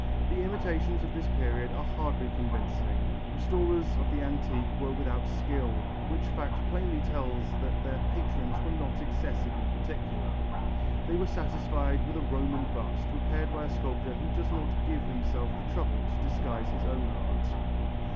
The imitations of this period are hardly convincing. Restorers of the antique were without skill, which fact plainly tells that their patrons were not excessively particular. They were satisfied with a Roman bust, repaired by a sculptor who does not give himself the trouble to disguise his own art.